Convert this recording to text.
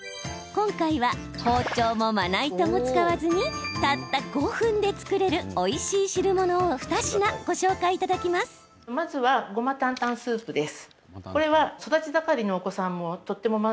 今回は、包丁もまな板も使わずにたった５分で作れるおいしい汁物を２品ご紹介いただきます。